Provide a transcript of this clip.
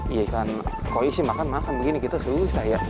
iya ikan koisi makan makan begini gitu susah ya